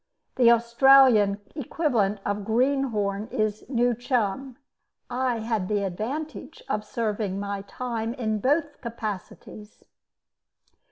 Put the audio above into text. (The Australian equivalent of "greenhorn" is "new chum." I had the advantage of serving my time in both capacities).